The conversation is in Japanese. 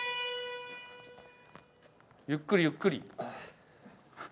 ゆっくりゆっくり。